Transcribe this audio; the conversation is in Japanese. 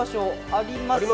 あります？